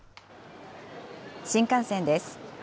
新幹線です。